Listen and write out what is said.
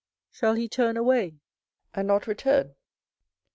shall he turn away, and not return?